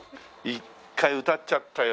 一回歌っちゃったよ